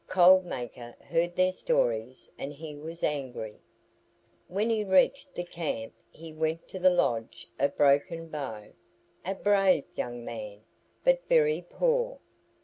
Cold Maker heard their stories and he was angry. When he reached the camp he went to the lodge of Broken Bow a brave young man, but very poor.